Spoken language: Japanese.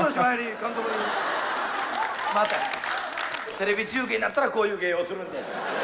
テレビ中継になったらこういう芸をするんです。